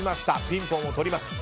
ピンポンを取ります。